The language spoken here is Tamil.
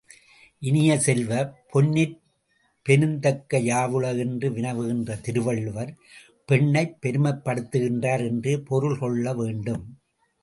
இனிய செல்வ, பெண்ணிற் பெருந்தக்க யாவுள? என்று வினவுகின்ற திருவள்ளுவர் பெண்ணைப் பெருமைப்படுத்துகின்றார் என்றே பொருள் கொள்ள வேண்டும்.